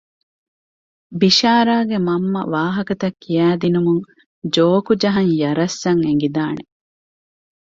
ބިޝާރާގެ މަންމަގެ ވާހަކަތައް ކިޔައިދިނުމުން ޖޯކް ޖަހަން ޔަރަސް އަށް އެނގިދާނެ